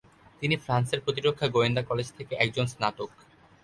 তিনি ফ্রান্সের প্রতিরক্ষা গোয়েন্দা কলেজ থেকে একজন স্নাতক।